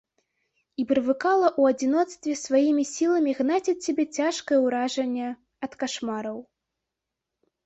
І прывыкала ў адзіноце сваімі сіламі гнаць ад сябе цяжкае ўражанне ад кашмараў.